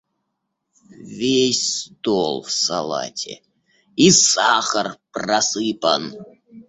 Весь стол в салате! и сахар просыпан!